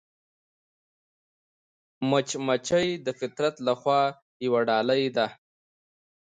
مچمچۍ د فطرت له خوا یوه ډالۍ ده